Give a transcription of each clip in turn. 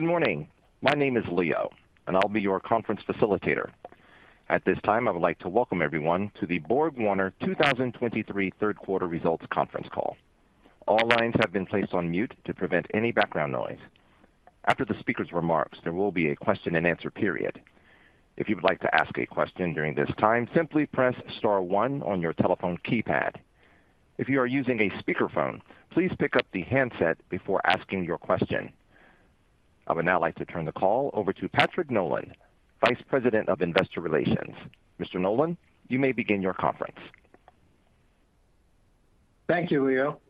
Good morning. My name is Leo, and I'll be your conference facilitator. At this time, I would like to welcome everyone to the BorgWarner 2023 Q3 results conference call. All lines have been placed on mute to prevent any background noise. After the speaker's remarks, there will be a question and answer period. If you would like to ask a question during this time, simply press star one on your telephone keypad. If you are using a speakerphone, please pick up the handset before asking your question. I would now like to turn the call over to Patrick Nolan, Vice President of Investor Relations. Mr. Nolan, you may begin your conference. Thank you, Leo.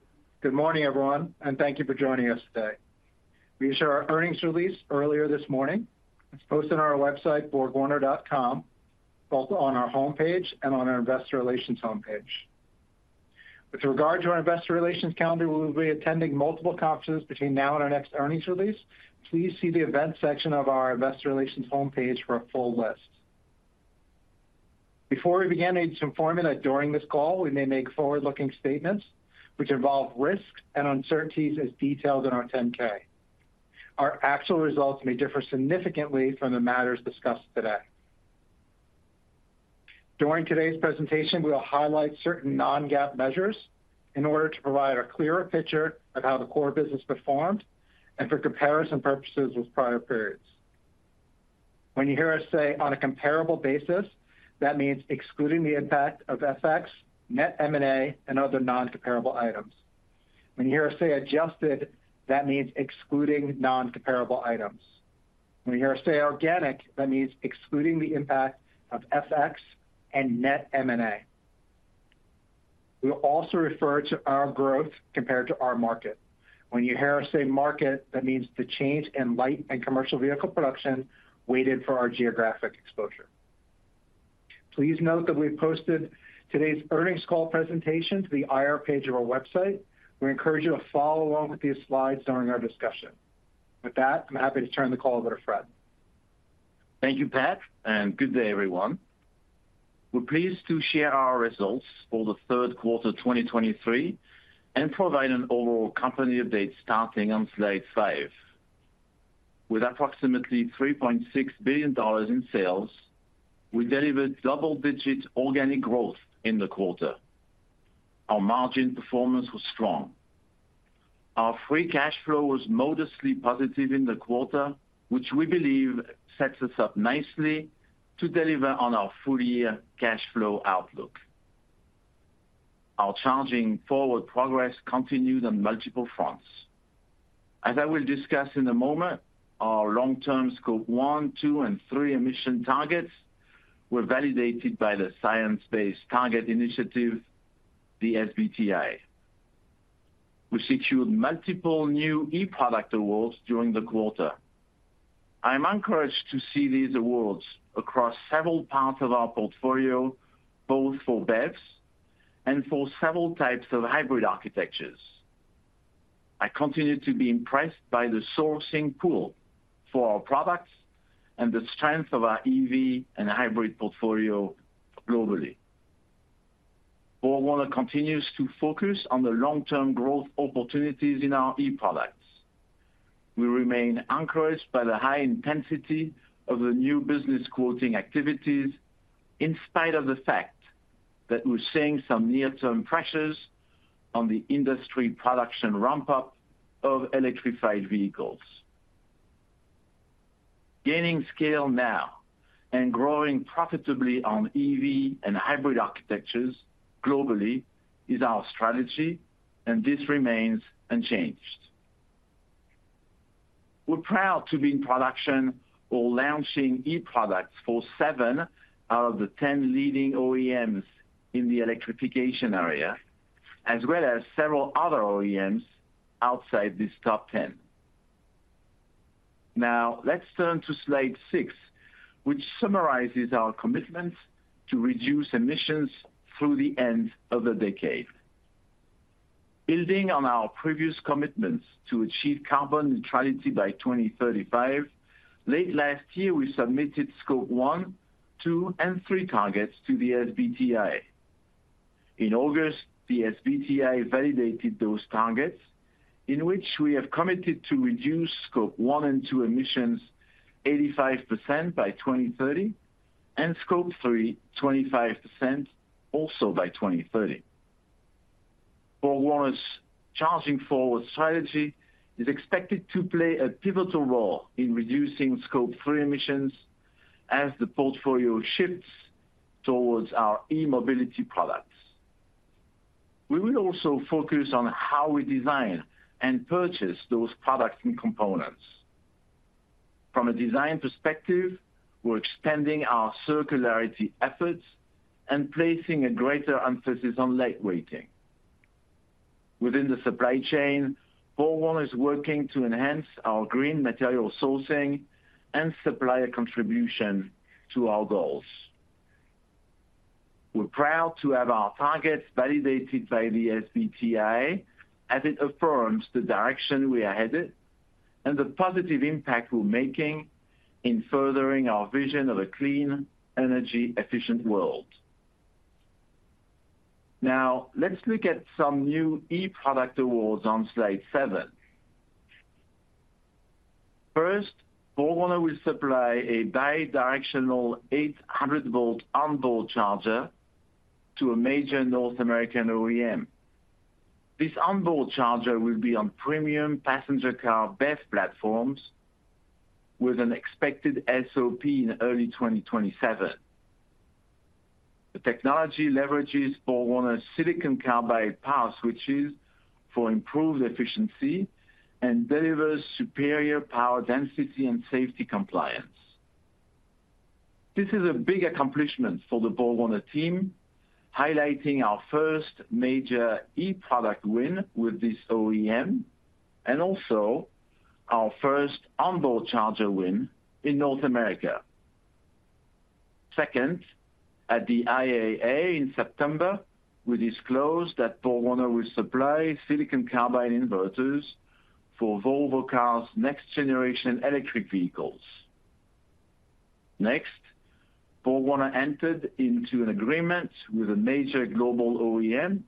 Good morning, everyone, and thank you for joining us today. We issued our earnings release earlier this morning. It's posted on our website, BorgWarner.com, both on our homepage and on our investor relations homepage. With regard to our investor relations calendar, we will be attending multiple conferences between now and our next earnings release. Please see the event section of our investor relations homepage for a full list. Before we begin, I need to inform you that during this call, we may make forward-looking statements which involve risks and uncertainties as detailed in our 10-K. Our actual results may differ significantly from the matters discussed today. During today's presentation, we will highlight certain non-GAAP measures in order to provide a clearer picture of how the core business performed and for comparison purposes with prior periods. When you hear us say, "On a comparable basis," that means excluding the impact of FX, net M&A, and other non-comparable items. When you hear us say, "Adjusted," that means excluding non-comparable items. When you hear us say, "Organic," that means excluding the impact of FX and net M&A. We'll also refer to our growth compared to our market. When you hear us say, "Market," that means the change in light and commercial vehicle production weighted for our geographic exposure. Please note that we've posted today's earnings call presentation to the IR page of our website. We encourage you to follow along with these slides during our discussion. With that, I'm happy to turn the call over to Fred. Thank you, Pat, and good day, everyone. We're pleased to share our results for Q3 2023 and provide an overall company update starting on slide 5. With approximately $3.6 billion in sales, we delivered double-digit organic growth in the quarter. Our margin performance was strong. Our free cash flow was modestly positive in the quarter, which we believe sets us up nicely to deliver on our full-year cash flow outlook. Our Charging Forward progress continued on multiple fronts. As I will discuss in a moment, our long-term Scope 1, 2, and 3 emission targets were validated by the Science Based Targets initiative, the SBTi. We secured multiple new eProduct awards during the quarter. I am encouraged to see these awards across several parts of our portfolio, both for BEVs and for several types of hybrid architectures. I continue to be impressed by the sourcing pool for our products and the strength of our EV and hybrid portfolio globally. BorgWarner continues to focus on the long-term growth opportunities in our eProducts. We remain encouraged by the high intensity of the new business quoting activities, in spite of the fact that we're seeing some near-term pressures on the industry production ramp-up of electrified vehicles. Gaining scale now and growing profitably on EV and hybrid architectures globally is our strategy, and this remains unchanged. We're proud to be in production or launching eProducts for seven out of the 10 leading OEMs in the electrification area, as well as several other OEMs outside this top 10. Now, let's turn to slide six, which summarizes our commitment to reduce emissions through the end of the decade. Building on our previous commitments to achieve carbon neutrality by 2035, late last year, we submitted Scope 1, 2, and 3 targets to the SBTi. In August, the SBTi validated those targets, in which we have committed to reduce Scope 1 and 2 emissions 85% by 2030 and Scope 3 by 25% by 2030. BorgWarner's Charging Forward strategy is expected to play a pivotal role in reducing Scope 3 emissions as the portfolio shifts towards our eMobility products. We will also focus on how we design and purchase those products and components. From a design perspective, we're expanding our circularity efforts and placing a greater emphasis on lightweighting. Within the supply chain, BorgWarner is working to enhance our green material sourcing and supplier contribution to our goals. We're proud to have our targets validated by the SBTi as it affirms the direction we are headed and the positive impact we're making in furthering our vision of a clean, energy-efficient world. Now let's look at some new e-product awards on slide 7. First, BorgWarner will supply a bidirectional 800-volt onboard charger to a major North American OEM. This onboard charger will be on premium passenger car BEV platforms with an expected SOP in early 2027. The technology leverages BorgWarner's silicon carbide power switches for improved efficiency and delivers superior power density and safety compliance. This is a big accomplishment for the BorgWarner team, highlighting our first major e-product win with this OEM, and also our first onboard charger win in North America. Second, at the IAA in September, we disclosed that BorgWarner will supply silicon carbide inverters for Volvo Cars' next-generation electric vehicles. Next, BorgWarner entered into an agreement with a major global OEM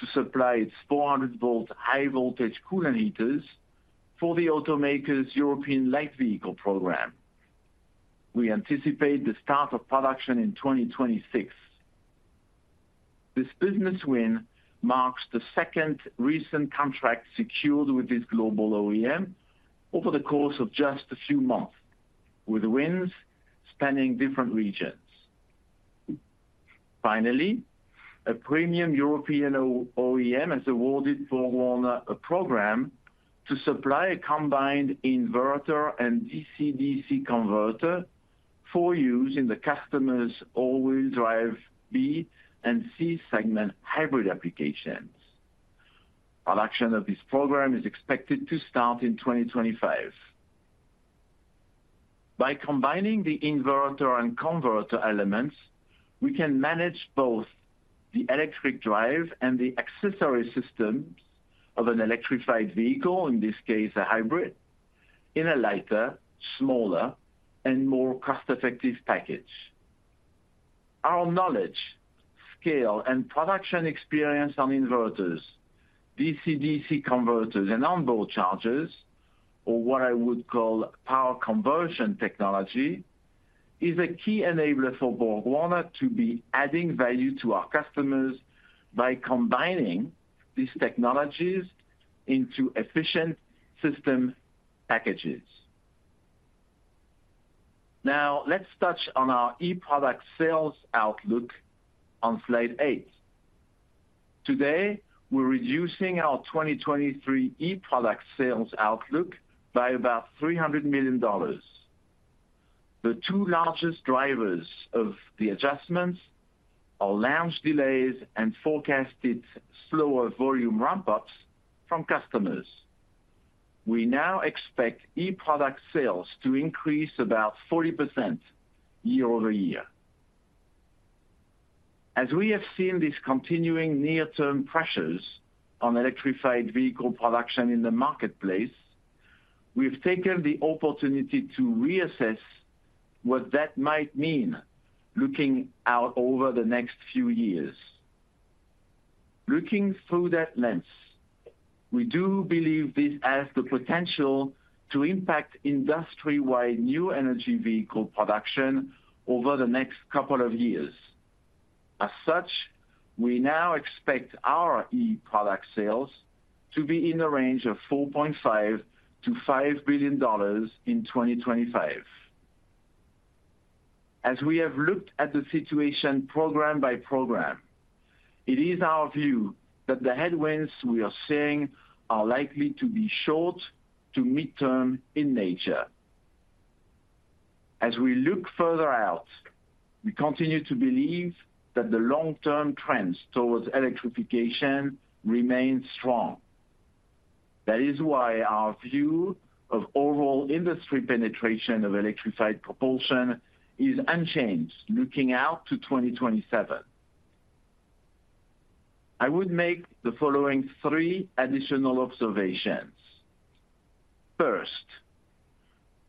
to supply its 400-volt high-voltage coolant heaters for the automaker's European light vehicle program. We anticipate the start of production in 2026. This business win marks the second recent contract secured with this global OEM over the course of just a few months, with wins spanning different regions. Finally, a premium European OEM has awarded BorgWarner a program to supply a combined inverter and DC-DC converter for use in the customer's all-wheel drive B and C segment hybrid applications. Production of this program is expected to start in 2025. By combining the inverter and converter elements, we can manage both the electric drive and the accessory systems of an electrified vehicle, in this case, a hybrid, in a lighter, smaller, and more cost-effective package. Our knowledge, scale, and production experience on inverters, DC-DC converters, and onboard chargers, or what I would call power conversion technology, is a key enabler for BorgWarner to be adding value to our customers by combining these technologies into efficient system packages. Now, let's touch on our e-product sales outlook on slide eight. Today, we're reducing our 2023 e-product sales outlook by about $300 million. The two largest drivers of the adjustments are launch delays and forecasted slower volume ramp-ups from customers. We now expect e-product sales to increase about 40% year-over-year. As we have seen these continuing near-term pressures on electrified vehicle production in the marketplace, we've taken the opportunity to reassess what that might mean looking out over the next few years. Looking through that lens, we do believe this has the potential to impact industry-wide new energy vehicle production over the next couple of years. As such, we now expect our e-Product sales to be in the range of $4.5 billion-$5 billion in 2025. As we have looked at the situation program by program, it is our view that the headwinds we are seeing are likely to be short to mid-term in nature. As we look further out, we continue to believe that the long-term trends towards electrification remain strong. That is why our view of overall industry penetration of electrified propulsion is unchanged looking out to 2027. I would make the following three additional observations. First,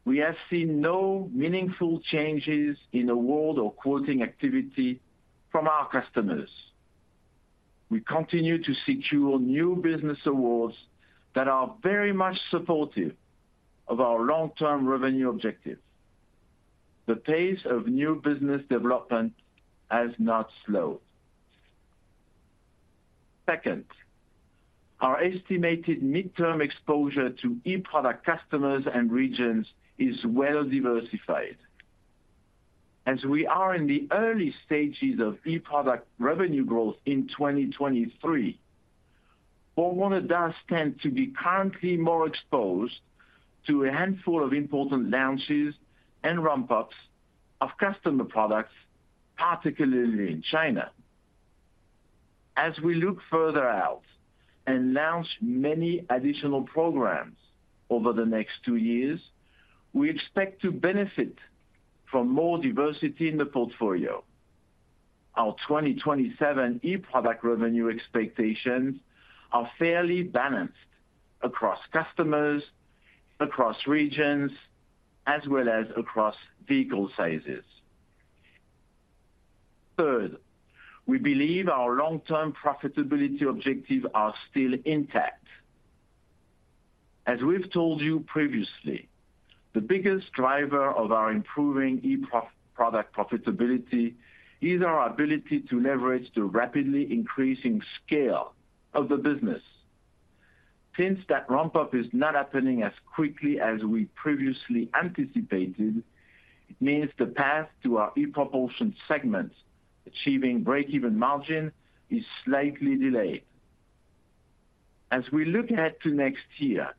we have seen no meaningful changes in award or quoting activity from our customers. We continue to secure new business awards that are very much supportive of our long-term revenue objectives. The pace of new business development has not slowed. Second, our estimated mid-term exposure to e-product customers and regions is well diversified. As we are in the early stages of e-product revenue growth in 2023, BorgWarner does tend to be currently more exposed to a handful of important launches and ramp-ups of customer products, particularly in China. As we look further out and launch many additional programs over the next two years, we expect to benefit from more diversity in the portfolio. Our 2027 e-product revenue expectations are fairly balanced across customers across regions, as well as across vehicle sizes. Third, we believe our long-term profitability objectives are still intact. As we've told you previously, the biggest driver of our improving e-product profitability is our ability to leverage the rapidly increasing scale of the business. Since that ramp-up is not happening as quickly as we previously anticipated, it means the path to our ePropulsion segment achieving break-even margin is slightly delayed. As we look ahead to next year,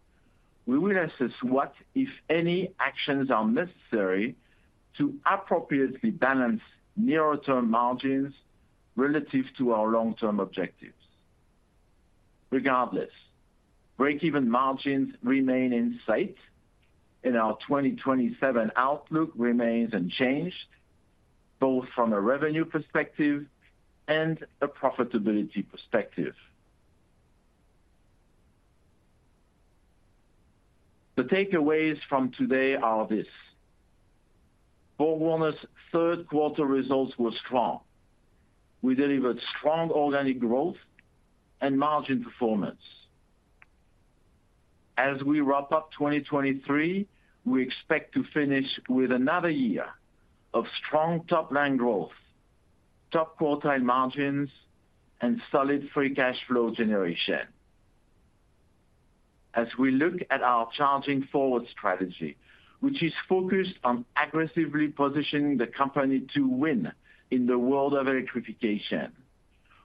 we will assess what, if any, actions are necessary to appropriately balance near-term margins relative to our long-term objectives. Regardless, break-even margins remain in sight, and our 2027 outlook remains unchanged, both from a revenue perspective and a profitability perspective. The takeaways from today are this: BorgWarner's Q3 results were strong. We delivered strong organic growth and margin performance. As we wrap up 2023, we expect to finish with another year of strong top-line growth, top-quartile margins, and solid free cash flow generation. As we look at our Charging Forward strategy, which is focused on aggressively positioning the company to win in the world of electrification,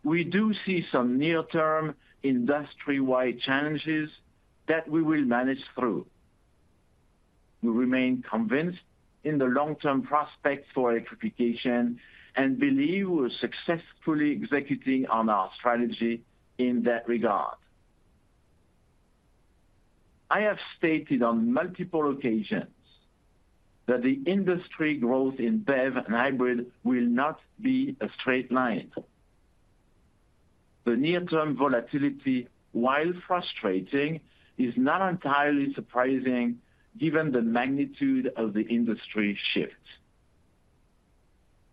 we do see some near-term, industry-wide challenges that we will manage through. We remain convinced in the long-term prospects for electrification and believe we're successfully executing on our strategy in that regard. I have stated on multiple occasions that the industry growth in BEV and hybrid will not be a straight line. The near-term volatility, while frustrating, is not entirely surprising given the magnitude of the industry shift.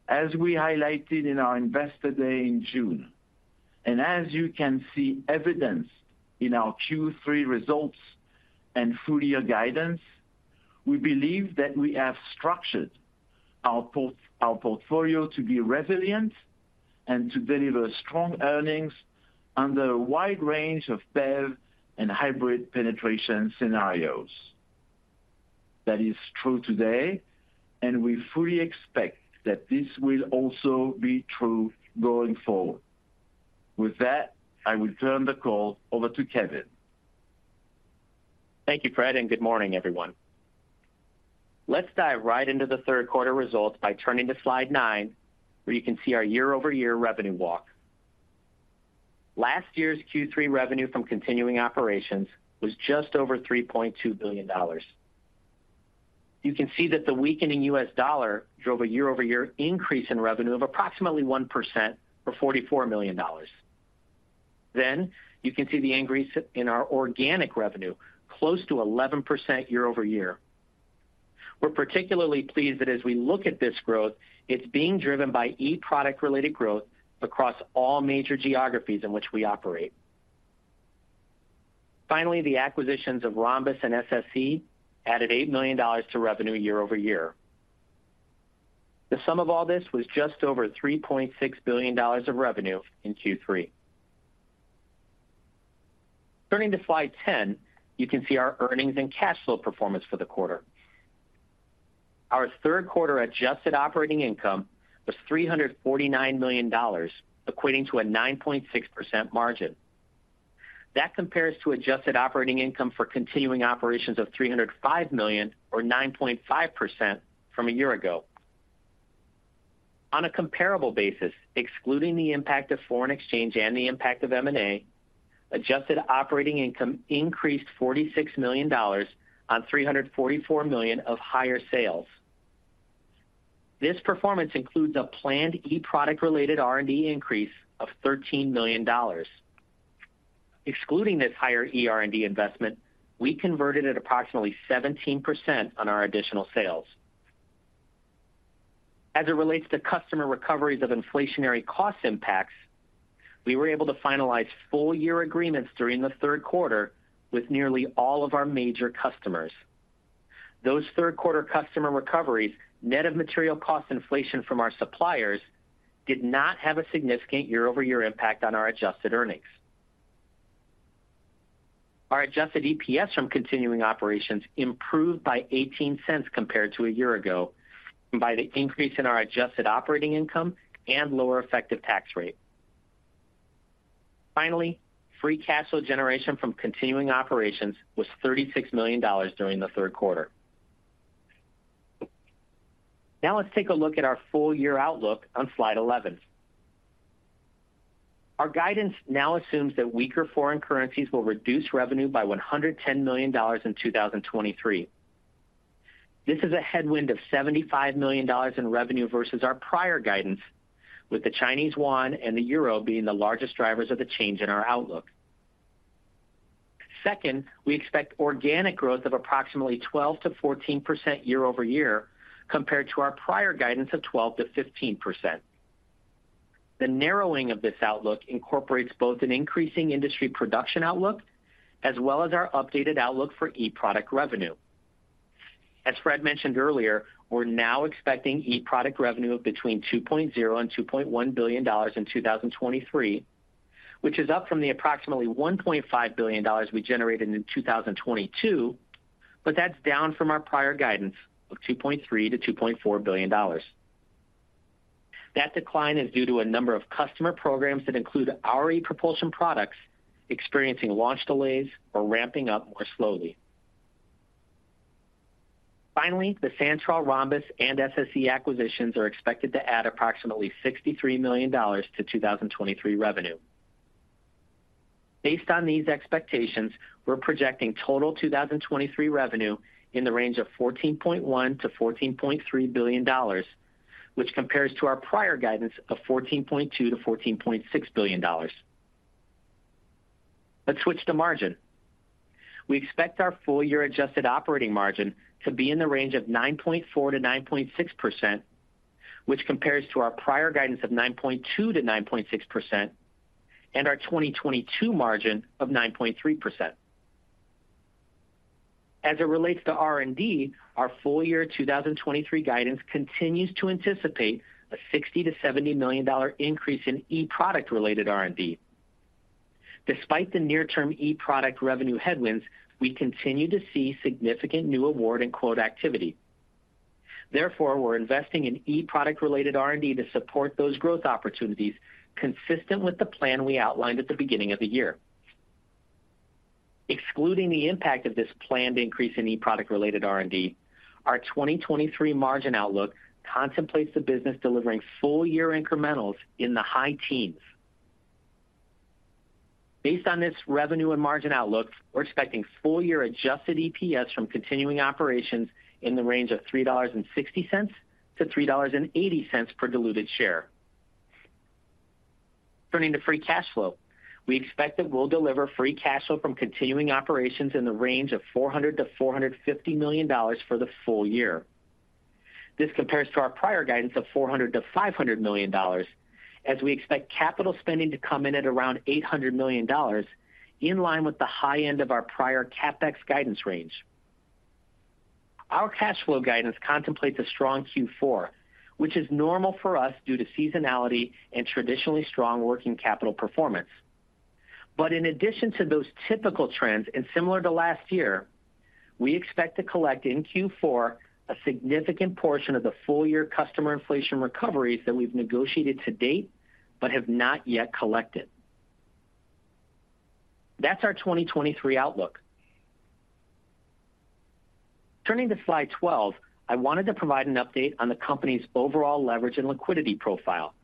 As we highlighted in our Investor Day in June, and as you can see evidenced in our Q3 results and full-year guidance, we believe that we have structured our portfolio to be resilient and to deliver strong earnings under a wide range of BEV and hybrid penetration scenarios. That is true today, and we fully expect that this will also be true going forward. With that, I will turn the call over to Kevin. Thank you, Fred, and good morning, everyone. Let's dive right into the Q3 results by turning to slide 9, where you can see our year-over-year revenue walk. Last year's Q3 revenue from continuing operations was just over $3.2 billion. You can see that the weakening U.S. dollar drove a year-over-year increase in revenue of approximately 1%, or $44 million. Then, you can see the increase in our organic revenue, close to 11% year-over-year. We're particularly pleased that as we look at this growth, it's being driven by e-product-related growth across all major geographies in which we operate. Finally, the acquisitions of Rhombus and SSE added $8 million to revenue year-over-year. The sum of all this was just over $3.6 billion of revenue in Q3. Turning to slide 10, you can see our earnings and cash flow performance for the quarter. Our Q3 adjusted operating income was $349 million, equating to a 9.6% margin. That compares to adjusted operating income for continuing operations of $305 million, or 9.5%, from a year ago. On a comparable basis, excluding the impact of foreign exchange and the impact of M&A, adjusted operating income increased $46 million on $344 million of higher sales. This performance includes a planned e-product-related R&D increase of $13 million. Excluding this higher eR&D investment, we converted at approximately 17% on our additional sales. As it relates to customer recoveries of inflationary cost impacts, we were able to finalize full-year agreements during the Q3 with nearly all of our major customers. Those Q3 customer recoveries, net of material cost inflation from our suppliers, did not have a significant year-over-year impact on our adjusted earnings. Our adjusted EPS from continuing operations improved by $0.18 compared to a year ago by the increase in our adjusted operating income and lower effective tax rate. Finally, free cash flow generation from continuing operations was $36 million during the Q3. Now let's take a look at our full-year outlook on slide 11. Our guidance now assumes that weaker foreign currencies will reduce revenue by $110 million in 2023. This is a headwind of $75 million in revenue versus our prior guidance, with the Chinese yuan and the euro being the largest drivers of the change in our outlook. Second, we expect organic growth of approximately 12%-14% year-over-year, compared to our prior guidance of 12%-15%. The narrowing of this outlook incorporates both an increasing industry production outlook as well as our updated outlook for e-product revenue. As Fred mentioned earlier, we're now expecting e-product revenue of between $2.0 billion and $2.1 billion in 2023, which is up from the approximately $1.5 billion we generated in 2022, but that's down from our prior guidance of $2.3 billion-$2.4 billion. That decline is due to a number of customer programs that include our ePropulsion products experiencing launch delays or ramping up more slowly. Finally, the Santroll, Rhombus, and SSE acquisitions are expected to add approximately $63 million to 2023 revenue. Based on these expectations, we're projecting total 2023 revenue in the range of $14.1 billion-$14.3 billion, which compares to our prior guidance of $14.2 billion-$14.6 billion. Let's switch to margin. We expect our full year adjusted operating margin to be in the range of 9.4%-9.6%, which compares to our prior guidance of 9.2%-9.6% and our 2022 margin of 9.3%. As it relates to R&D, our full year 2023 guidance continues to anticipate a $60 million-$70 million dollar increase in e-product-related R&D. Despite the near-term e-product revenue headwinds, we continue to see significant new award and quote activity. Therefore, we're investing in e-product-related R&D to support those growth opportunities, consistent with the plan we outlined at the beginning of the year. Excluding the impact of this planned increase in e-product-related R&D, our 2023 margin outlook contemplates the business delivering full-year incrementals in the high teens. Based on this revenue and margin outlook, we're expecting full-year adjusted EPS from continuing operations in the range of $3.60-$3.80 per diluted share. Turning to free cash flow. We expect that we'll deliver free cash flow from continuing operations in the range of $400 million-$450 million for the full year. This compares to our prior guidance of $400 million-$500 million, as we expect capital spending to come in at around $800 million, in line with the high end of our prior CapEx guidance range. Our cash flow guidance contemplates a strong Q4, which is normal for us due to seasonality and traditionally strong working capital performance. But in addition to those typical trends, and similar to last year, we expect to collect in Q4 a significant portion of the full year customer inflation recoveries that we've negotiated to date but have not yet collected. That's our 2023 outlook. Turning to slide 12, I wanted to provide an update on the company's overall leverage and liquidity profile.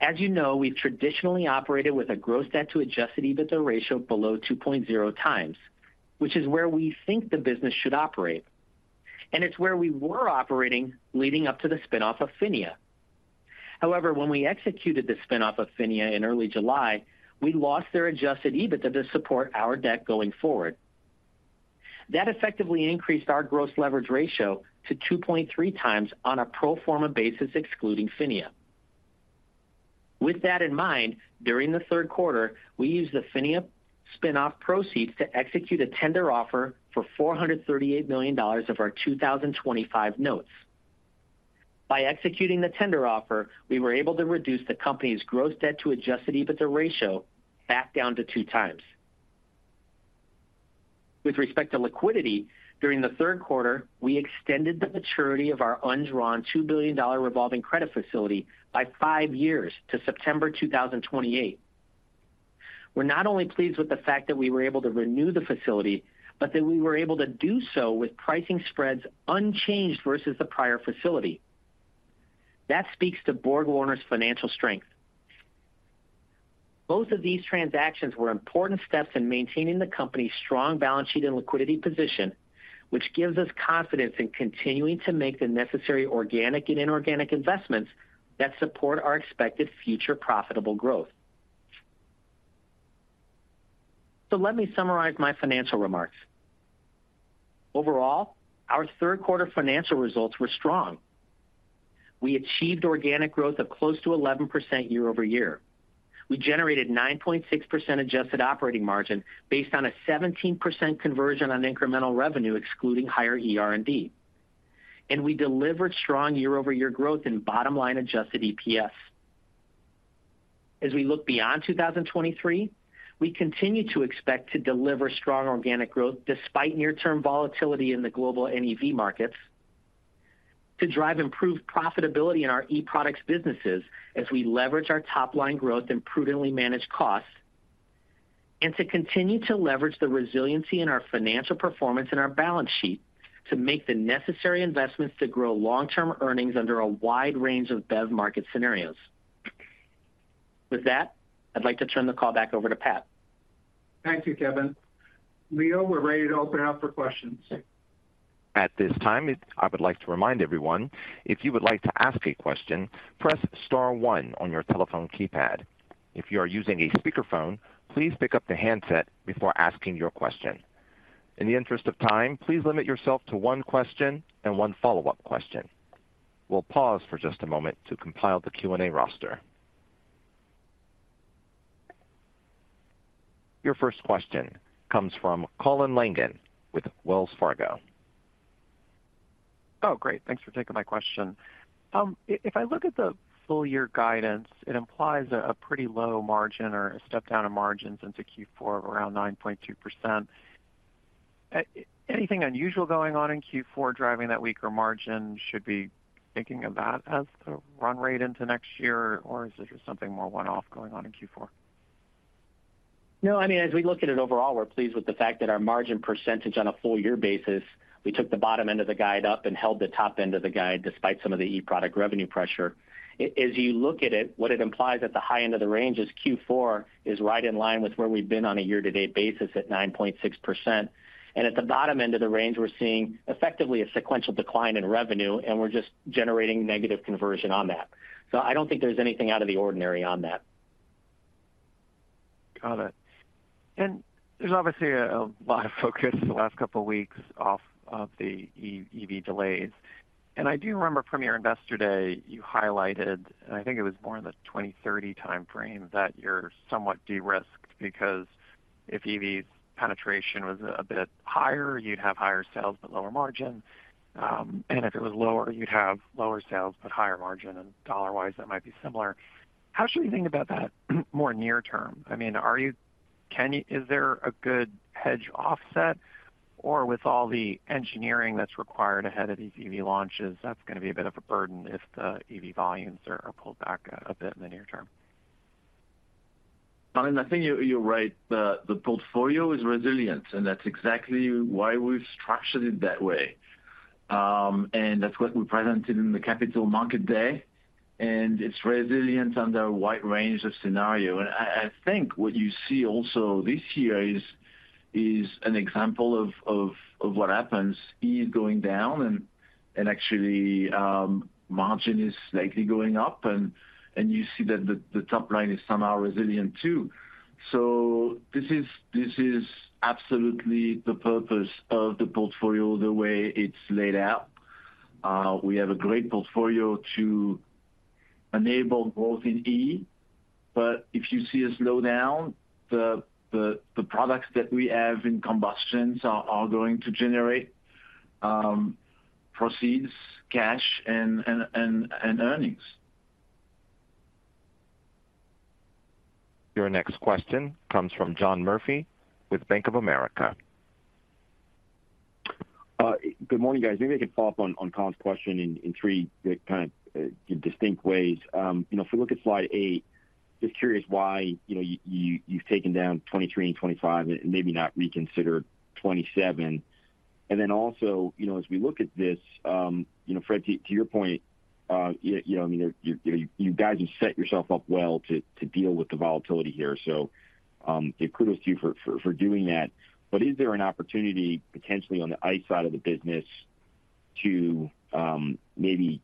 As you know, we've traditionally operated with a gross debt to adjusted EBITDA ratio below 2.0 times, which is where we think the business should operate, and it's where we were operating leading up to the spinoff of PHINIA. However, when we executed the spinoff of PHINIA in early July, we lost their adjusted EBITDA to support our debt going forward. That effectively increased our gross leverage ratio to 2.3 times on a pro forma basis, excluding PHINIA. With that in mind, during the Q3, we used the PHINIA spinoff proceeds to execute a tender offer for $438 million of our 2025 notes. By executing the tender offer, we were able to reduce the company's gross debt to adjusted EBITDA ratio back down to 2 times. With respect to liquidity, during the Q3, we extended the maturity of our undrawn $2 billion revolving credit facility by 5 years to September 2028. We're not only pleased with the fact that we were able to renew the facility, but that we were able to do so with pricing spreads unchanged versus the prior facility. That speaks to BorgWarner's financial strength. Both of these transactions were important steps in maintaining the company's strong balance sheet and liquidity position, which gives us confidence in continuing to make the necessary organic and inorganic investments that support our expected future profitable growth. So let me summarize my financial remarks. Overall, our Q3 financial results were strong. We achieved organic growth of close to 11% year-over-year. We generated 9.6% adjusted operating margin based on a 17% conversion on incremental revenue, excluding higher ER&D, and we delivered strong year-over-year growth in bottom line adjusted EPS. As we look beyond 2023, we continue to expect to deliver strong organic growth despite near-term volatility in the global NEV markets, to drive improved profitability in our eProducts businesses as we leverage our top-line growth and prudently manage costs, and to continue to leverage the resiliency in our financial performance and our balance sheet to make the necessary investments to grow long-term earnings under a wide range of BEV market scenarios. With that, I'd like to turn the call back over to Pat. Thank you, Kevin. Leo, we're ready to open up for questions. At this time, I would like to remind everyone, if you would like to ask a question, press star one on your telephone keypad. If you are using a speakerphone, please pick up the handset before asking your question. In the interest of time, please limit yourself to one question and one follow-up question. We'll pause for just a moment to compile the Q&A roster. Your first question comes from Colin Langan with Wells Fargo. Oh, great! Thanks for taking my question. If I look at the full year guidance, it implies a pretty low margin or a step down in margins into Q4 of around 9.2%. Anything unusual going on in Q4 driving that weaker margin? Should be thinking of that as the run rate into next year? Or is this just something more one-off going on in Q4? No, I mean, as we look at it overall, we're pleased with the fact that our margin percentage on a full year basis, we took the bottom end of the guide up and held the top end of the guide, despite some of the e-product revenue pressure. As you look at it, what it implies at the high end of the range is Q4 is right in line with where we've been on a year-to-date basis at 9.6%. At the bottom end of the range, we're seeing effectively a sequential decline in revenue, and we're just generating negative conversion on that. So I don't think there's anything out of the ordinary on that. Got it. And there's obviously a lot of focus the last couple of weeks off of the EV, EV delays. And I do remember from your Investor Day, you highlighted, and I think it was more in the 2030 time frame, that you're somewhat de-risked because if EV's penetration was a bit higher, you'd have higher sales but lower margin. And if it was lower, you'd have lower sales but higher margin, and dollar-wise, that might be similar. How should we think about that, more near term? I mean, is there a good hedge offset? Or with all the engineering that's required ahead of these EV launches, that's gonna be a bit of a burden if the EV volumes are pulled back a bit in the near term. Colin, I think you're right. The portfolio is resilient, and that's exactly why we've structured it that way. And that's what we presented in the Capital Market Day, and it's resilient under a wide range of scenarios. And I think what you see also this year is an example of what happens. E is going down and actually margin is likely going up, and you see that the top line is somehow resilient, too. So this is absolutely the purpose of the portfolio, the way it's laid out. We have a great portfolio to enable growth in E, but if you see a slowdown, the products that we have in combustions are going to generate proceeds, cash, and earnings. Your next question comes from John Murphy with Bank of America. Good morning, guys. Maybe I could follow up on Colin's question in three kind of distinct ways. You know, if we look at slide 8, just curious why, you know, you've taken down 2023 and 2025 and maybe not reconsidered 2027. Then also, you know, as we look at this, you know, Fred, to your point, you know, I mean, you guys have set yourself up well to deal with the volatility here, so, give kudos to you for doing that. But is there an opportunity, potentially on the ICE side of the business, to maybe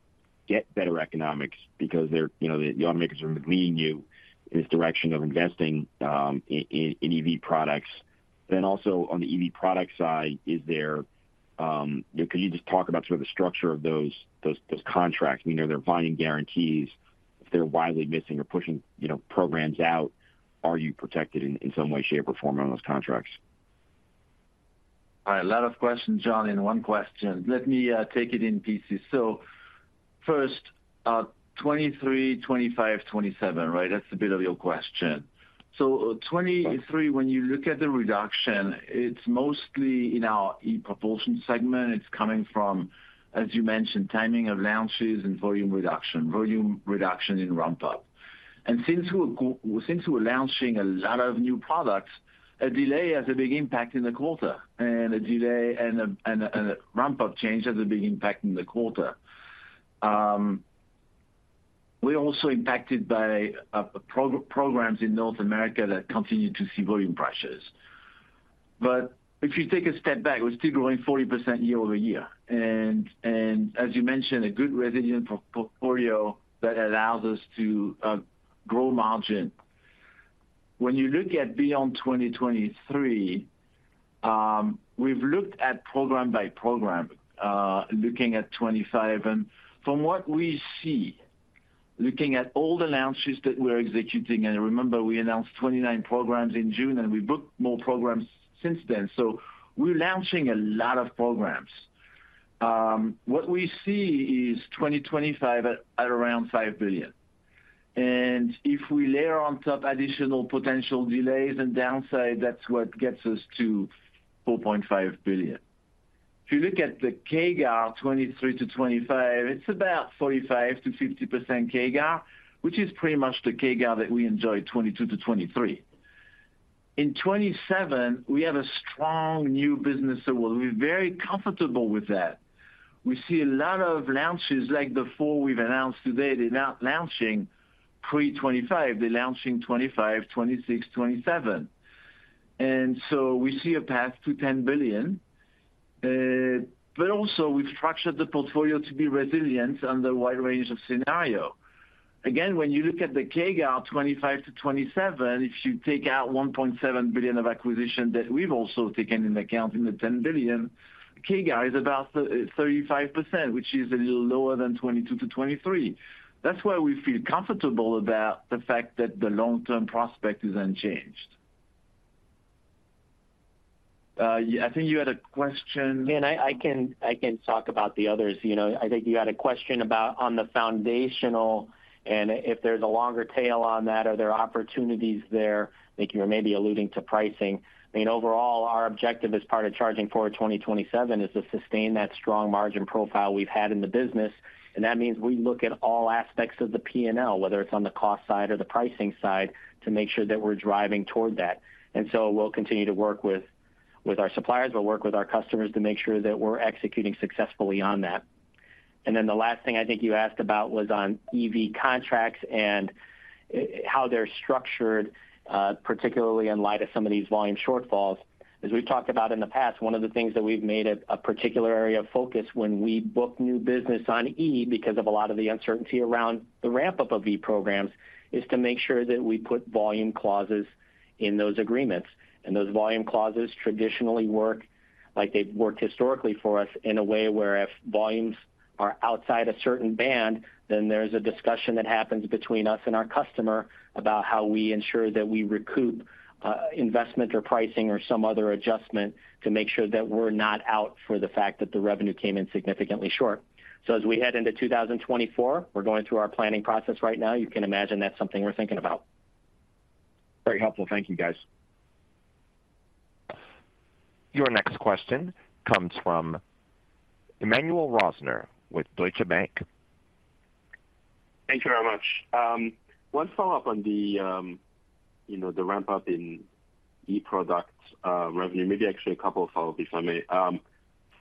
get better economics because they're, you know, the automakers are leading you in this direction of investing in EV products? Then also, on the EV product side, is there, you know, could you just talk about sort of the structure of those contracts? I mean, are there volume guarantees if they're widely missing or pushing, you know, programs out, are you protected in some way, shape, or form on those contracts? All right. A lot of questions, John, in one question. Let me take it in pieces. So first, 23, 25, 27, right? That's the bit of your question. So, 23, when you look at the reduction, it's mostly in our ePropulsion segment. It's coming from, as you mentioned, timing of launches and volume reduction, volume reduction in ramp up. And since we're launching a lot of new products, a delay has a big impact in the quarter, and a delay and a ramp-up change has a big impact in the quarter. We're also impacted by programs in North America that continue to see volume pressures. But if you take a step back, we're still growing 40% year-over-year, and as you mentioned, a good resilient portfolio that allows us to grow margin. When you look at beyond 2023, we've looked at program by program, looking at 2025. From what we see, looking at all the launches that we're executing, and remember, we announced 29 programs in June, and we booked more programs since then. We're launching a lot of programs. What we see is 2025 at, at around $5 billion. If we layer on top additional potential delays and downside, that's what gets us to $4.5 billion. If you look at the CAGR, 2023 to 2025, it's about 45%-50% CAGR, which is pretty much the CAGR that we enjoyed 2022 to 2023. In 2027, we have a strong new business that we'll be very comfortable with that. We see a lot of launches, like the four we've announced today; they're not launching pre-2025, they're launching 2025, 2026, 2027. And so we see a path to $10 billion. But also we've structured the portfolio to be resilient under a wide range of scenario. Again, when you look at the CAGR, 2025-2027, if you take out $1.7 billion of acquisition that we've also taken into account in the $10 billion, CAGR is about thirty-five percent, which is a little lower than 2022-2023. That's why we feel comfortable about the fact that the long-term prospect is unchanged. Yeah, I think you had a question- I can talk about the others. You know, I think you had a question about on the foundational, and if there's a longer tail on that, are there opportunities there? I think you were maybe alluding to pricing. I mean, overall, our objective as part of Charging Forward 2027 is to sustain that strong margin profile we've had in the business, and that means we look at all aspects of the P&L, whether it's on the cost side or the pricing side, to make sure that we're driving toward that. So we'll continue to work with our suppliers, we'll work with our customers to make sure that we're executing successfully on that. Then the last thing I think you asked about was on EV contracts and how they're structured, particularly in light of some of these volume shortfalls. As we've talked about in the past, one of the things that we've made a particular area of focus when we book new business on EV, because of a lot of the uncertainty around the ramp-up of EV programs, is to make sure that we put volume clauses in those agreements. And those volume clauses traditionally work like they've worked historically for us, in a way where if volumes are outside a certain band, then there's a discussion that happens between us and our customer about how we ensure that we recoup, investment or pricing or some other adjustment to make sure that we're not out for the fact that the revenue came in significantly short. So as we head into 2024, we're going through our planning process right now. You can imagine that's something we're thinking about. Very helpful. Thank you, guys. Your next question comes from Emmanuel Rosner with Deutsche Bank. Thank you very much. One follow-up on the, you know, the ramp-up in e-product revenue. Maybe actually a couple of follow-ups, if I may.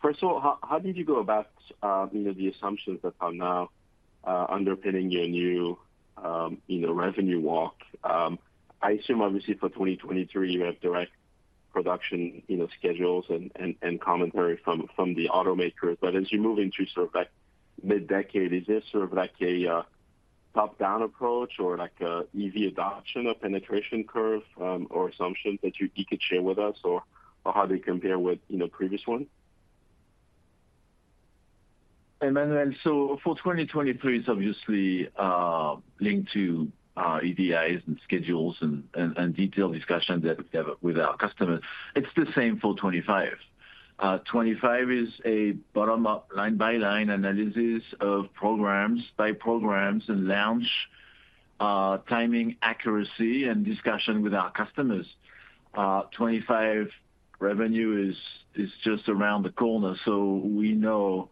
First of all, how did you go about, you know, the assumptions that are now underpinning your new, you know, revenue walk? I assume, obviously, for 2023, you have direct production, you know, schedules and commentary from the automakers. But as you move into sort of like mid-decade, is this sort of like a top-down approach or like a EV adoption or penetration curve, or assumptions that you could share with us, or how they compare with, you know, previous ones? Emmanuel, so for 2023, it's obviously linked to our EDIs and schedules and detailed discussions that we have with our customers. It's the same for 2025. 2025 is a bottom-up, line-by-line analysis of programs by programs and launch timing, accuracy, and discussion with our customers. 2025 revenue is just around the corner, so we know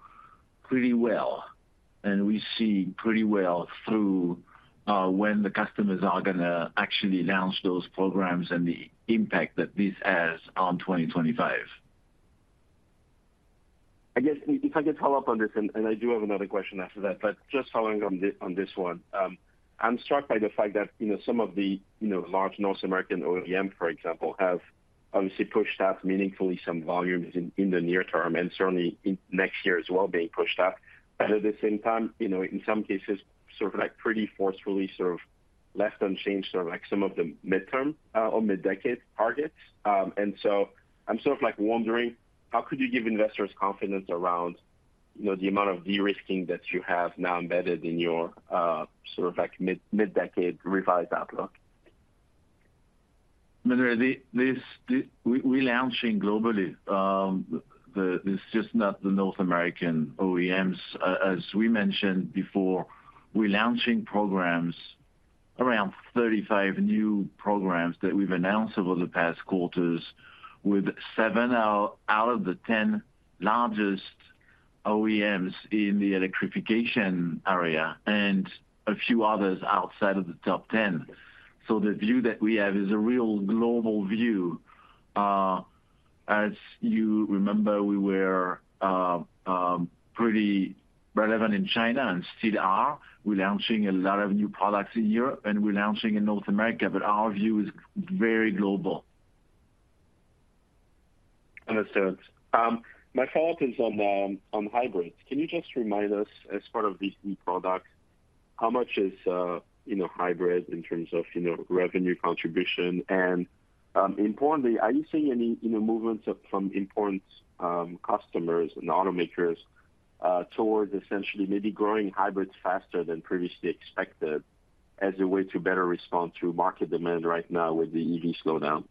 pretty well, and we see pretty well through when the customers are gonna actually launch those programs and the impact that this has on 2025. I guess, if I could follow up on this, and I do have another question after that, but just following on this one. I'm struck by the fact that, you know, some of the, you know, large North American OEM, for example, have obviously pushed out meaningfully some volumes in the near term, and certainly in next year as well, being pushed out. But at the same time, you know, in some cases, sort of like pretty forcefully, sort of like left unchanged, sort of like some of the midterm or mid-decade targets. And so I'm sort of like wondering, how could you give investors confidence around, you know, the amount of de-risking that you have now embedded in your sort of like mid-decade revised outlook? Emmanuel, we're launching globally, it's just not the North American OEMs. As we mentioned before, we're launching programs, around 35 new programs that we've announced over the past quarters, with seven out of the 10 largest OEMs in the electrification area and a few others outside of the top 10. So the view that we have is a real global view. As you remember, we were pretty relevant in China and still are. We're launching a lot of new products in Europe, and we're launching in North America, but our view is very global. Understood. My follow-up is on hybrids. Can you just remind us, as part of these new products, how much is, you know, hybrid in terms of, you know, revenue contribution? And, importantly, are you seeing any movements from important customers and automakers towards essentially maybe growing hybrids faster than previously expected, as a way to better respond to market demand right now with the EV slowdown?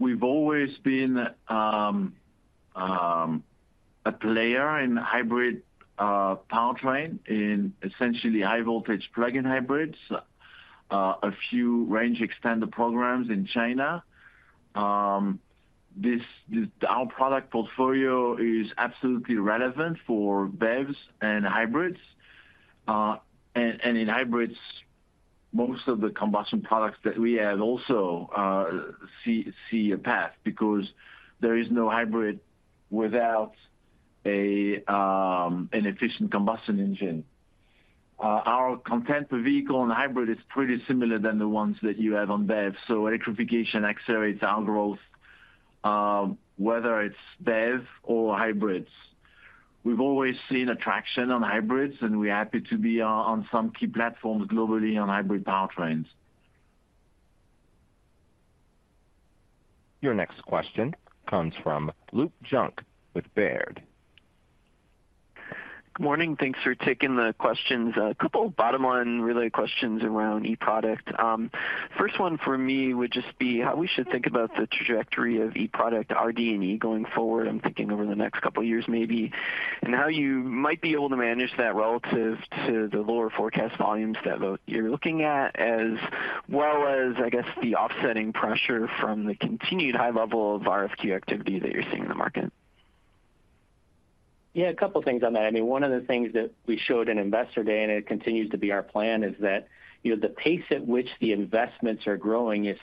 We've always been a player in hybrid powertrain, in essentially high-voltage plug-in hybrids, a few range extender programs in China. This, our product portfolio is absolutely relevant for BEVs and hybrids. And in hybrids, most of the combustion products that we have also see a path, because there is no hybrid without an efficient combustion engine. Our content per vehicle on hybrid is pretty similar than the ones that you have on BEV. So electrification accelerates our growth, whether it's BEV or hybrids. We've always seen attraction on hybrids, and we're happy to be on some key platforms globally on hybrid powertrains. Your next question comes from Luke Junk with Baird. Good morning. Thanks for taking the questions. A couple bottom line related questions around eProduct. First one for me would just be how we should think about the trajectory of eProduct RD&E going forward, I'm thinking over the next couple of years maybe, and how you might be able to manage that relative to the lower forecast volumes that both you're looking at, as well as, I guess, the offsetting pressure from the continued high level of RFQ activity that you're seeing in the market? Yeah, a couple of things on that. I mean, one of the things that we showed in Investor Day, and it continues to be our plan, is that, you know, the pace at which the investments are growing is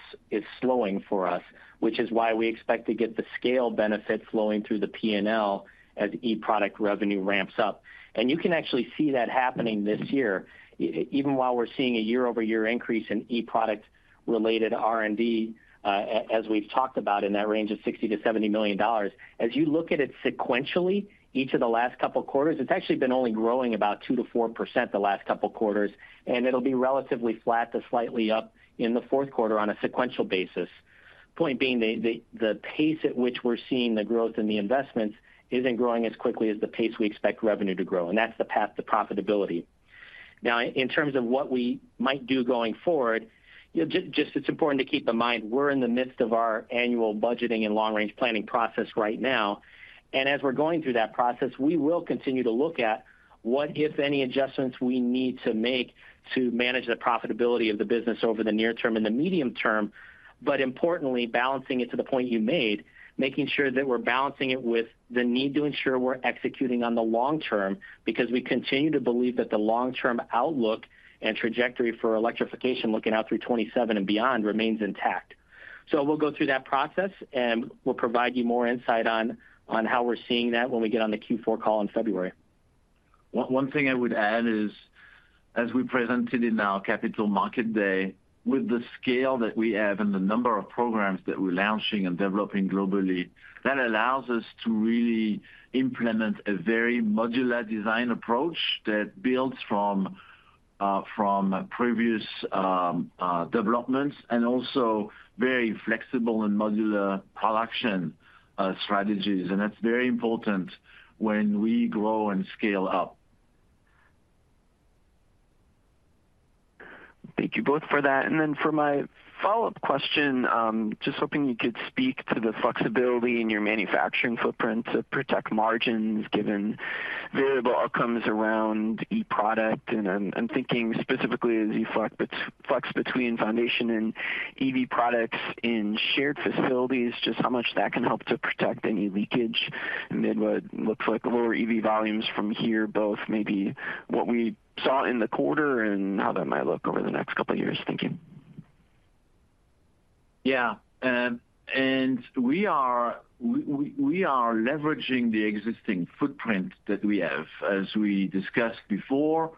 slowing for us, which is why we expect to get the scale benefits flowing through the P&L as eProduct revenue ramps up. And you can actually see that happening this year, even while we're seeing a year-over-year increase in eProduct-related R&D, as we've talked about in that range of $60 million-$70 million. As you look at it sequentially, each of the last couple of quarters, it's actually been only growing about 2%-4% the last couple of quarters, and it'll be relatively flat to slightly up in the fourth quarter on a sequential basis. Point being, the pace at which we're seeing the growth in the investments isn't growing as quickly as the pace we expect revenue to grow, and that's the path to profitability. Now, in terms of what we might do going forward, you know, just it's important to keep in mind, we're in the midst of our annual budgeting and long-range planning process right now. And as we're going through that process, we will continue to look at what, if any, adjustments we need to make to manage the profitability of the business over the near term and the medium term. But importantly, balancing it to the point you made, making sure that we're balancing it with the need to ensure we're executing on the long term, because we continue to believe that the long-term outlook and trajectory for electrification, looking out through 2027 and beyond, remains intact. So we'll go through that process, and we'll provide you more insight on how we're seeing that when we get on the Q4 call in February. One thing I would add is, as we presented in our Capital Market Day, with the scale that we have and the number of programs that we're launching and developing globally, that allows us to really implement a very modular design approach that builds from previous developments, and also very flexible and modular production strategies. And that's very important when we grow and scale up. Thank you both for that. Then for my follow-up question, just hoping you could speak to the flexibility in your manufacturing footprint to protect margins, given variable outcomes around eProduct. I'm thinking specifically as you flex between foundation and EV products in shared facilities, just how much that can help to protect any leakage amid what looks like lower EV volumes from here, both maybe what we saw in the quarter and how that might look over the next couple of years, thinking. Yeah, and we are leveraging the existing footprint that we have. As we discussed before,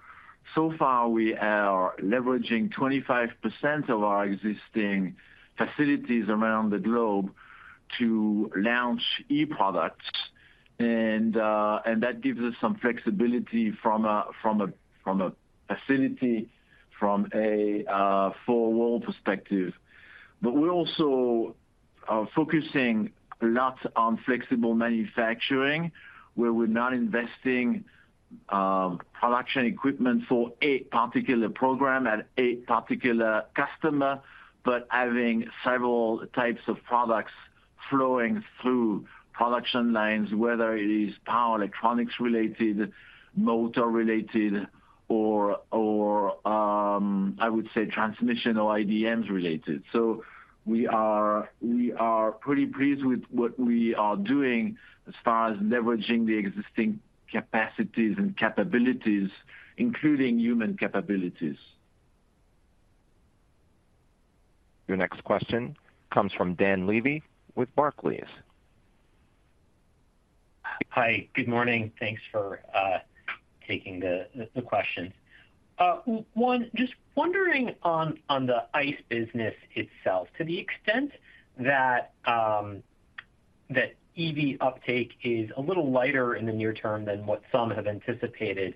so far, we are leveraging 25% of our existing facilities around the globe to launch eProducts, and that gives us some flexibility from a facility, from a four-wall perspective. But we're also focusing a lot on flexible manufacturing, where we're not investing production equipment for a particular program at a particular customer, but having several types of products flowing through production lines, whether it is power electronics related, motor related, or I would say transmission or IDMs related. So we are pretty pleased with what we are doing as far as leveraging the existing capacities and capabilities, including human capabilities. Your next question comes from Dan Levy with Barclays. Hi, good morning. Thanks for taking the questions. One, just wondering on the ICE business itself, to the extent that EV uptake is a little lighter in the near term than what some have anticipated,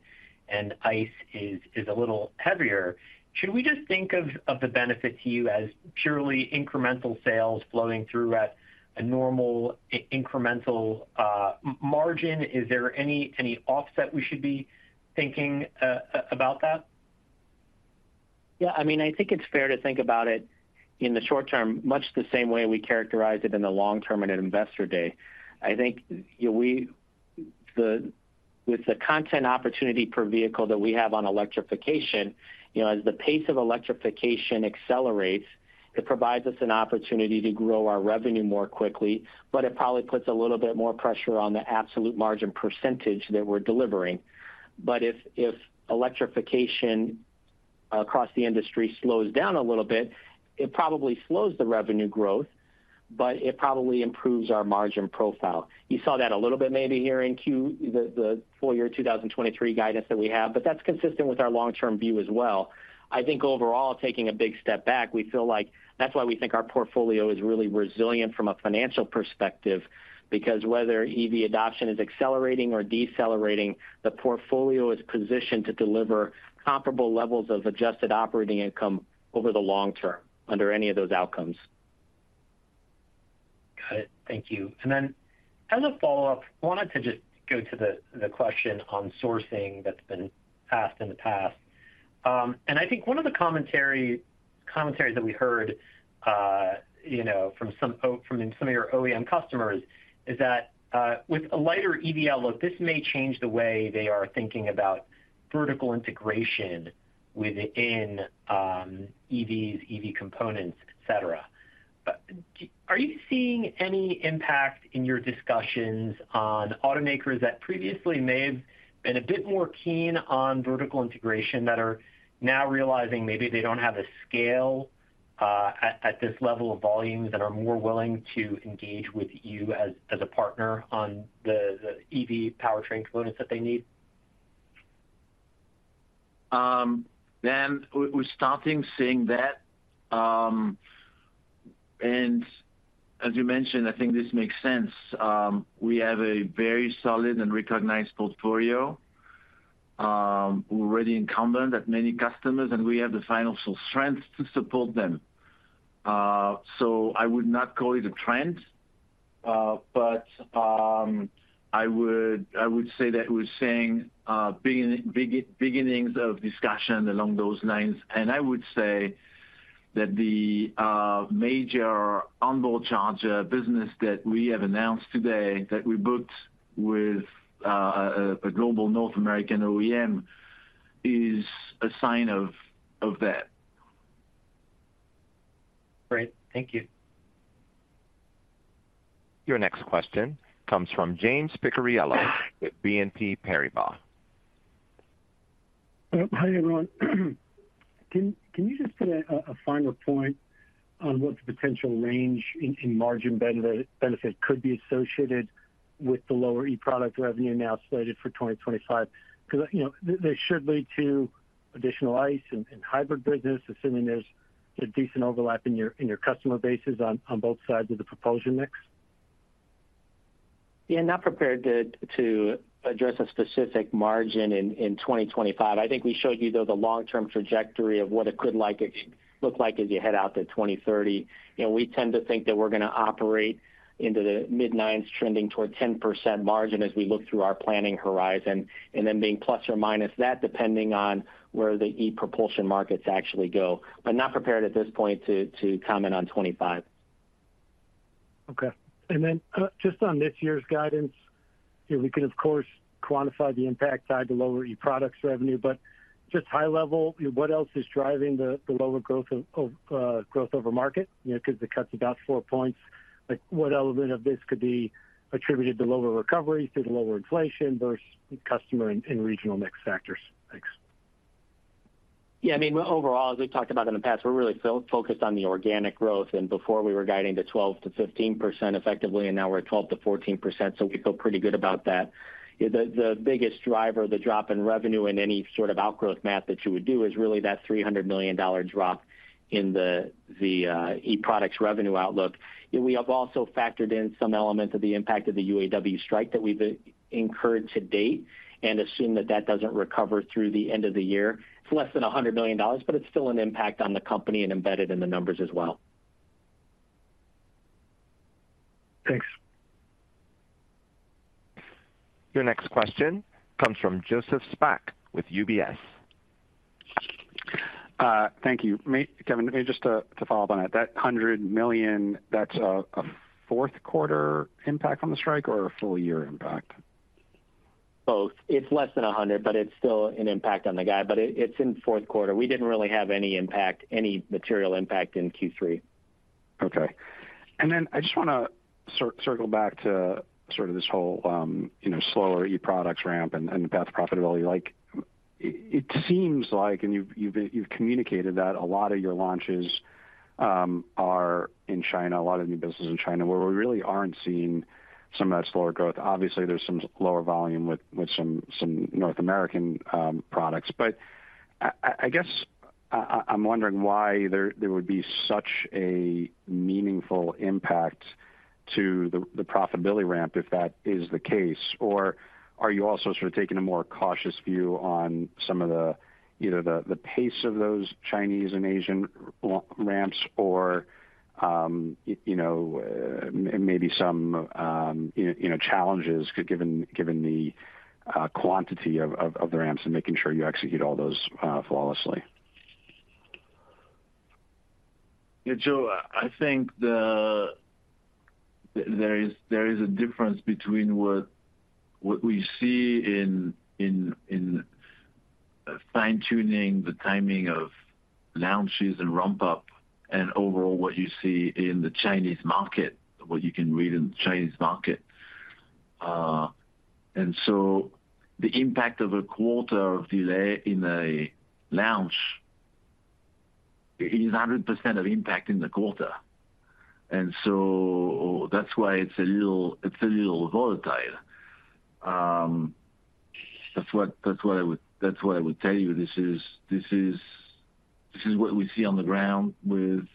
and ICE is a little heavier, should we just think of the benefit to you as purely incremental sales flowing through at a normal incremental margin? Is there any offset we should be thinking about that? Yeah, I mean, I think it's fair to think about it in the short term, much the same way we characterize it in the long term in an investor day. I think, you know, we with the content opportunity per vehicle that we have on electrification, you know, as the pace of electrification accelerates, it provides us an opportunity to grow our revenue more quickly, but it probably puts a little bit more pressure on the absolute margin percentage that we're delivering. But if electrification across the industry slows down a little bit, it probably slows the revenue growth, but it probably improves our margin profile. You saw that a little bit maybe here in the full year 2023 guidance that we have, but that's consistent with our long-term view as well. I think overall, taking a big step back, we feel like that's why we think our portfolio is really resilient from a financial perspective, because whether EV adoption is accelerating or decelerating, the portfolio is positioned to deliver comparable levels of adjusted operating income over the long term under any of those outcomes. Got it. Thank you. And then as a follow-up, I wanted to just go to the question on sourcing that's been asked in the past. And I think one of the commentary, that we heard, you know, from some of your OEM customers is that, with a lighter EV outlook, this may change the way they are thinking about vertical integration within EVs, EV components, et cetera. But are you seeing any impact in your discussions on automakers that previously may have been a bit more keen on vertical integration, that are now realizing maybe they don't have the scale at this level of volume, that are more willing to engage with you as a partner on the EV powertrain components that they need? Then we're starting to see that. And as you mentioned, I think this makes sense. We have a very solid and recognized portfolio, already incumbent at many customers, and we have the financial strength to support them. So I would not call it a trend, but I would say that we're seeing beginnings of discussion along those lines. And I would say that the major onboard charger business that we have announced today, that we booked with a global North American OEM, is a sign of that. Great. Thank you. Your next question comes from James Picariello with BNP Paribas. Hi, everyone. Can you just put a finer point on what the potential range in margin benefit could be associated with the lower e-product revenue now slated for 2025? Because, you know, this should lead to additional ICE and hybrid business, assuming there's a decent overlap in your customer bases on both sides of the propulsion mix. Yeah, not prepared to address a specific margin in 2025. I think we showed you, though, the long-term trajectory of what it could look like as you head out to 2030. You know, we tend to think that we're going to operate into the mid-9s, trending toward 10% margin as we look through our planning horizon, and then being ± that, depending on where the e-propulsion markets actually go, but not prepared at this point to comment on 2025. Okay. And then, just on this year's guidance, if we could, of course, quantify the impact side to lower eProducts revenue, but just high level, what else is driving the, the lower growth of, of, growth over market? You know, because it cuts about four points. Like, what element of this could be attributed to lower recoveries, to the lower inflation versus customer and, and regional mix factors? Thanks. Yeah, I mean, overall, as we've talked about in the past, we're really focused on the organic growth, and before we were guiding to 12%-15% effectively, and now we're at 12%-14%, so we feel pretty good about that. The biggest driver, the drop in revenue in any sort of outgrowth math that you would do, is really that $300 million drop in the e-products revenue outlook. We have also factored in some elements of the impact of the UAW strike that we've incurred to date and assume that that doesn't recover through the end of the year. It's less than $100 million, but it's still an impact on the company and embedded in the numbers as well. Thanks. Your next question comes from Joseph Spak with UBS. Thank you. May I, Kevin, may I just to follow up on that $100 million, that's a fourth quarter impact on the strike or a full year impact? Both. It's less than 100, but it's still an impact on the guidance, but it, it's in fourth quarter. We didn't really have any impact, any material impact in Q3. Okay. And then I just want to circle back to sort of this whole, you know, slower e-products ramp and path to profitability. Like, it seems like, and you've communicated that a lot of your launches are in China, a lot of new business in China, where we really aren't seeing some of that slower growth. Obviously, there's some lower volume with some North American products. But I guess I'm wondering why there would be such a meaningful impact to the profitability ramp, if that is the case? Or are you also sort of taking a more cautious view on some of the, you know, the pace of those Chinese and Asian launch ramps or, you know, maybe some, you know, challenges given the quantity of the ramps and making sure you execute all those flawlessly? Yeah, Joe, I think there is a difference between what we see in fine-tuning the timing of launches and ramp up, and overall what you see in the Chinese market, what you can read in the Chinese market. And so the impact of a quarter of delay in a launch is 100% of impact in the quarter. And so that's why it's a little volatile. That's what I would tell you. This is what we see on the ground with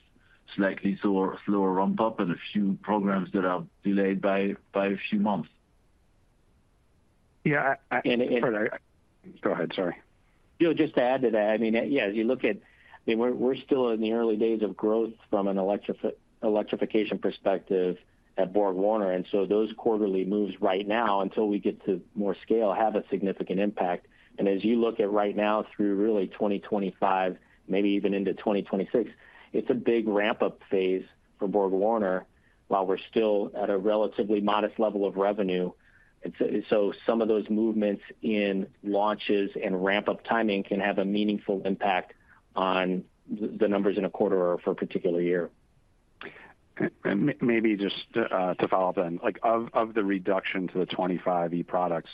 slightly slower ramp up and a few programs that are delayed by a few months. Yeah, I- And, and- Go ahead, sorry. Joe, just to add to that, I mean, yeah, as you look at, I mean, we're, we're still in the early days of growth from an electrification perspective at BorgWarner, and so those quarterly moves right now, until we get to more scale, have a significant impact. And as you look at right now through really 2025, maybe even into 2026, it's a big ramp-up phase for BorgWarner, while we're still at a relatively modest level of revenue. And so, and so some of those movements in launches and ramp-up timing can have a meaningful impact on the, the numbers in a quarter or for a particular year. Maybe just to follow up then, like, of the reduction to the 25 e-products,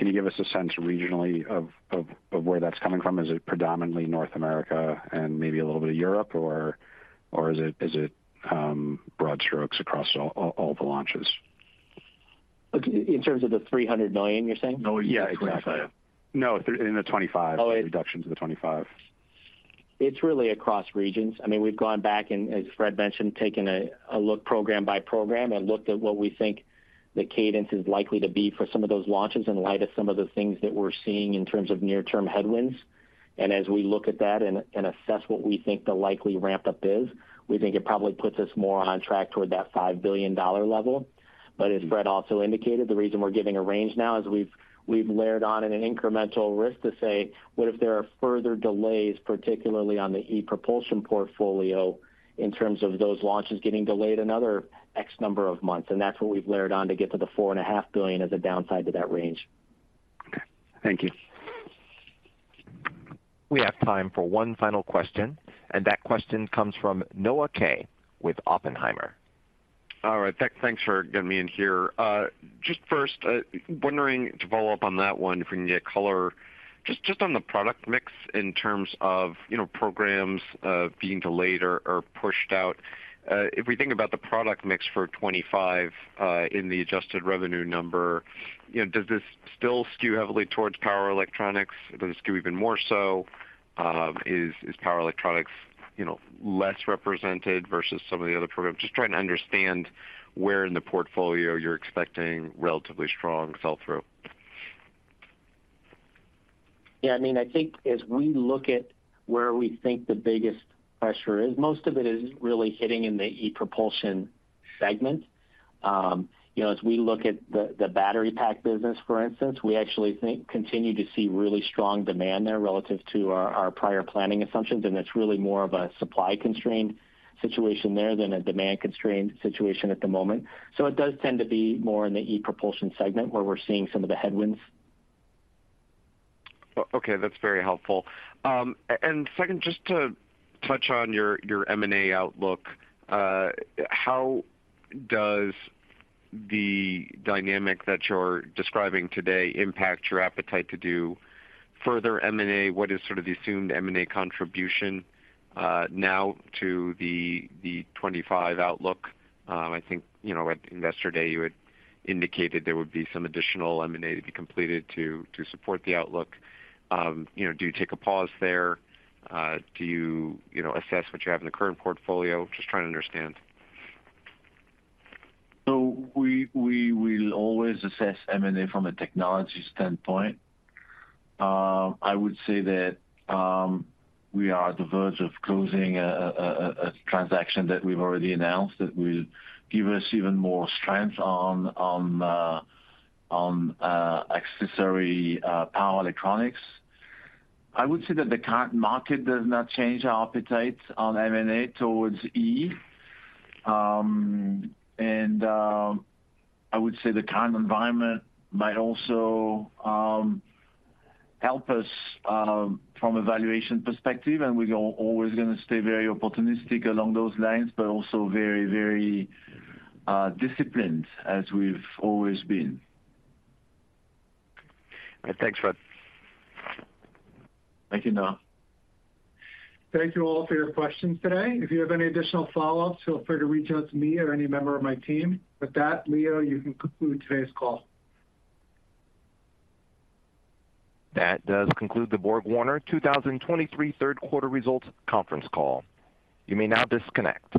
can you give us a sense regionally of where that's coming from? Is it predominantly North America and maybe a little bit of Europe, or is it broad strokes across all the launches? In terms of the $300 million, you're saying? Oh, yeah, exactly. No, in the 25. Oh, it- Reduction to the 25. It's really across regions. I mean, we've gone back and, as Fred mentioned, taken a look program by program and looked at what we think the cadence is likely to be for some of those launches in light of some of the things that we're seeing in terms of near-term headwinds. And as we look at that and assess what we think the likely ramp up is, we think it probably puts us more on track toward that $5 billion level. But as Fred also indicated, the reason we're giving a range now is we've layered on an incremental risk to say, "What if there are further delays, particularly on the e-Propulsion portfolio, in terms of those launches getting delayed another X number of months?" And that's what we've layered on to get to the $4.5 billion as a downside to that range. Okay. Thank you. We have time for one final question, and that question comes from Noah Kaye with Oppenheimer. All right, thanks for getting me in here. Just first wondering, to follow up on that one, if we can get color just on the product mix in terms of, you know, programs being delayed or pushed out. If we think about the product mix for 25, in the adjusted revenue number, you know, does this still skew heavily towards power electronics? Does it skew even more so? Is power electronics, you know, less represented versus some of the other programs? Just trying to understand where in the portfolio you're expecting relatively strong sell-through. Yeah, I mean, I think as we look at where we think the biggest pressure is, most of it is really hitting in the e-Propulsion segment. You know, as we look at the battery pack business, for instance, we actually think continue to see really strong demand there relative to our prior planning assumptions, and it's really more of a supply-constrained situation there than a demand-constrained situation at the moment. So it does tend to be more in the e-Propulsion segment, where we're seeing some of the headwinds. Okay, that's very helpful. And second, just to touch on your M&A outlook, how does the dynamic that you're describing today impact your appetite to do further M&A? What is sort of the assumed M&A contribution now to the 25 outlook? I think, you know, at Investor Day, you had indicated there would be some additional M&A to be completed to support the outlook. You know, do you take a pause there? Do you, you know, assess what you have in the current portfolio? Just trying to understand. So we will always assess M&A from a technology standpoint. I would say that we are on the verge of closing a transaction that we've already announced that will give us even more strength on accessory power electronics. I would say that the current market does not change our appetite on M&A towards E. And I would say the current environment might also help us from a valuation perspective, and we're always gonna stay very opportunistic along those lines, but also very, very disciplined, as we've always been. All right. Thanks, Fred. Thank you, Noah. Thank you all for your questions today. If you have any additional follow-ups, feel free to reach out to me or any member of my team. With that, Leo, you can conclude today's call. That does conclude the BorgWarner 2023 Q3 results conference call. You may now disconnect.